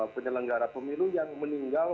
penyelenggara pemilu yang meninggal